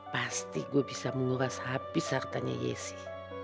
pasti gue bisa menguras habis hartanya yesi